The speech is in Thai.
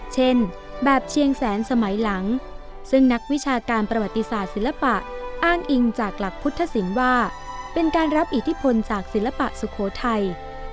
เช่นแบบเชียงแสนสมัยหลังซึ่งนักวิชาการประวัติศาสตร์ศิลปะอ้างอิงจากหลักพุทธศิลป์ว่าเป็นการรับอิทธิพลจากศิลปะสุโขทัย